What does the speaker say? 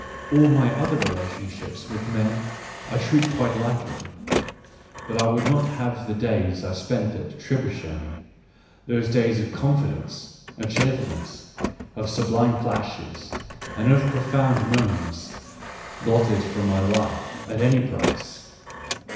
All my other relationships with men I treat quite lightly ; but I would not have the days I spent at Tribschen — those days of con fidence, of cheerfulness, of sublime flashes, and of profound moments — blotted from my life at any price.